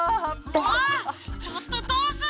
あちょっとどうするの？